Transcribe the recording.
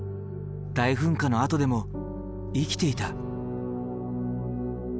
大噴火のあとでも生きていた。